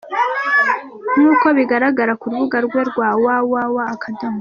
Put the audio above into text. Nk’uko bigaragara ku rubuga rwe rwa www.